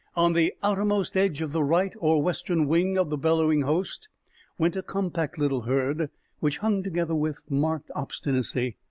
On the outermost edge of the right or western wing of the bellowing host went a compact little herd, which hung together with marked obstinacy.